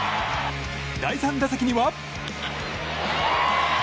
第３打席には。